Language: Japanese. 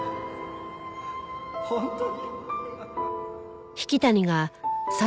本当に？